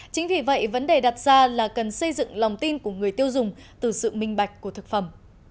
chính vì vậy vấn đề đặt ra là cần xây dựng lòng tin của người tiêu dùng từ sự minh bạch của thực phẩm